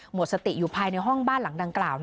หมดสติอยู่ภายในห้องบ้านหลังดังกล่าว